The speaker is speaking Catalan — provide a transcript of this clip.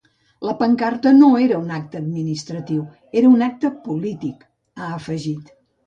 La pancarta no era un acte administratiu, era un acte polític, ha afegit.